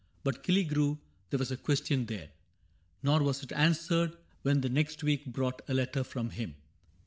But Killigrew — there was a question there ; Nor was it answered when the next week brought A letter from him.